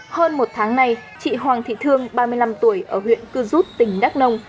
hơn một tháng nay chị hoàng thị thương ba mươi năm tuổi ở huyện cư rút tỉnh đắk nông